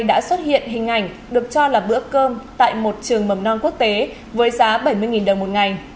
đã xuất hiện hình ảnh được cho là bữa cơm tại một trường mầm non quốc tế với giá bảy mươi đồng một ngày